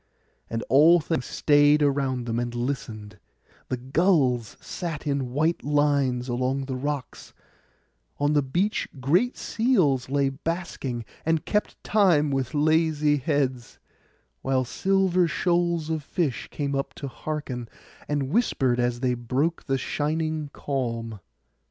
And all things stayed around and listened; the gulls sat in white lines along the rocks; on the beach great seals lay basking, and kept time with lazy heads; while silver shoals of fish came up to hearken, and whispered as they broke the shining calm.